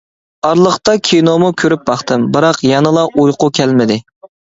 ئارىلىقتا كىنومۇ كۆرۈپ باقتىم، بىراق يەنىلا ئۇيقۇ كەلمىدى.